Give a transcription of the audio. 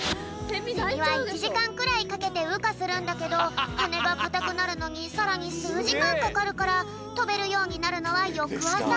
セミは１じかんくらいかけてうかするんだけどはねがかたくなるのにさらにすうじかんかかるからとべるようになるのはよくあさ。